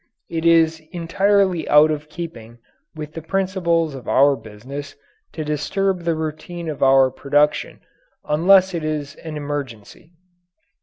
It is entirely out of keeping with the principles of our business to disturb the routine of our production unless in an emergency.